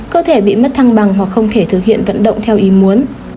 cơ thể bị mất thăng bằng hoặc không thể thực hiện vận động theo ý muốn